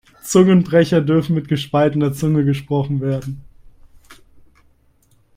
Zungenbrecher dürfen mit gespaltener Zunge gesprochen werden.